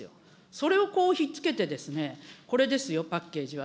それをこう引っ付けて、これですよ、パッケージは。